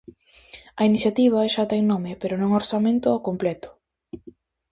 A iniciativa xa ten nome pero non orzamento ó completo.